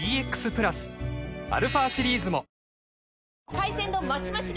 海鮮丼マシマシで！